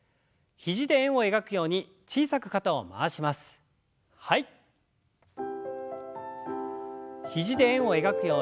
肘で円を描くように小さく肩を回しましょう。